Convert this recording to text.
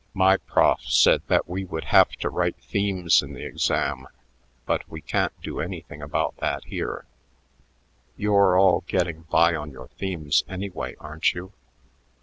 My prof said that we would have to write themes in the exam, but we can't do anything about that here. You're all getting by on your themes, anyway, aren't you?"